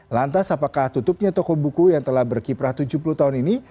lantas apakah tutupnya toko buku yang telah berkiprah tujuh puluh tahun ini